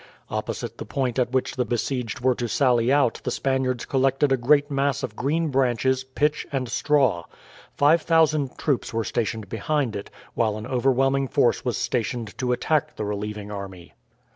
Opposite the point at which the besieged were to sally out the Spaniards collected a great mass of green branches, pitch, and straw. Five thousand troops were stationed behind it, while an overwhelming force was stationed to attack the relieving army.